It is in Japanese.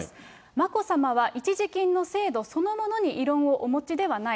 眞子さまは、一時金の制度そのものに異論をお持ちではない。